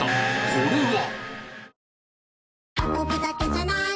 これは？